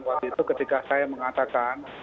waktu itu ketika saya mengatakan